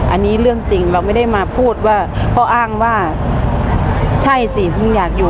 อันนี้เรื่องจริงเราไม่ได้มาพูดว่าเขาอ้างว่าใช่สิมึงอยากอยู่